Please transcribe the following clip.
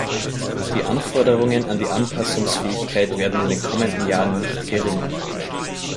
Und die Anforderungen an die Anpassungsfähigkeit werden in den kommenden Jahren nicht geringer.